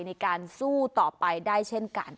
ในการสู้ต่อไปได้เช่นกัน